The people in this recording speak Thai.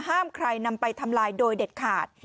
ห้ามใครนำไปทำลายโดยเด็ดขาด